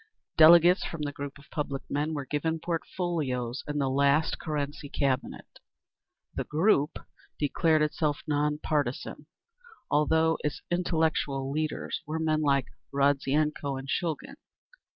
Delegates from the Group of Public Men were given portfolios in the last Kerensky Cabinet. The Group declared itself non partisan, although its intellectual leaders were men like Rodzianko and Shulgin.